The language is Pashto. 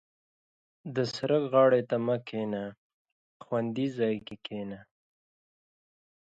• د سړک غاړې ته مه کښېنه، خوندي ځای کې کښېنه.